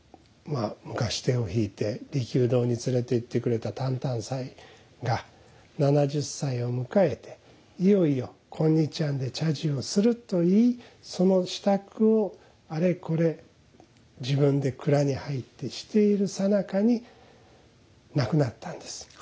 あ昔手を引いて利休堂に連れて行ってくれた淡々斎が７０歳を迎えていよいよ今日庵で茶事をすると言いその支度をあれこれ自分で蔵に入ってしている最中に亡くなったんです。